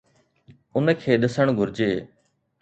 ان کي ڏسڻ گهرجي.